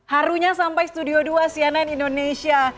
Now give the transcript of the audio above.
harunya sampai studio dua cnn indonesia